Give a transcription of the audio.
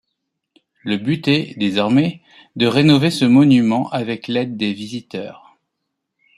Le but est désormais de rénover ce monument, avec l'aide des visiteurs.